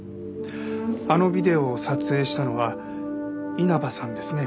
あのビデオを撮影したのは稲葉さんですね？